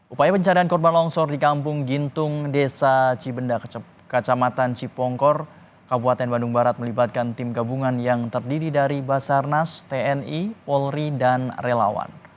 upaya pencarian korban longsor di kampung gintung desa cibenda kecamatan cipongkor kabupaten bandung barat melibatkan tim gabungan yang terdiri dari basarnas tni polri dan relawan